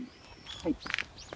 はい。